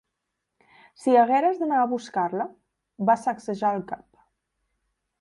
"Si hagueres d'anar a buscar-la" va sacsejar el cap.